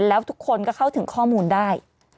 แล้วทุกคนก็เข้าถึงข้อมูลได้